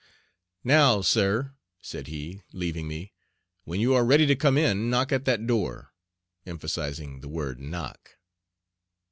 "Now, sir," said he, leaving me, "when you are ready to come in, knock at that door," emphasizing the word "knock."